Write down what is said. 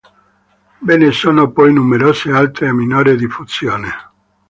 Ve ne sono poi numerose altre a minore diffusione.